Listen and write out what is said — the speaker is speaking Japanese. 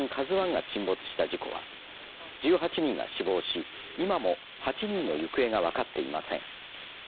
ＫＡＺＵＩが沈没した事故は１８人が死亡し今も８人の行方が分かっていません。